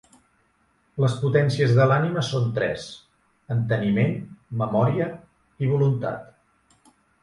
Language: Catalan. Les potències de l'ànima són tres: enteniment, memòria i voluntat.